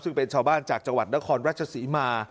ซึ่งเป็นชาวบ้านจากจังหวัดนครราชศรีมา